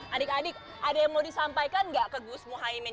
adik adik ada yang mau disampaikan nggak ke gus muhaymin